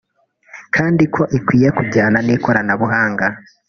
kandi ko ikwiye kujyana n’ikoranabuhanga